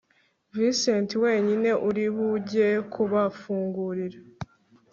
Vincent wenyine uribujye kubafungurira